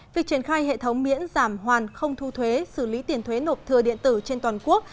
việc triển khai hệ thống miễn giảm hoàn không thu thuế xử lý tiền thuế nộp thừa điện tử trên toàn quốc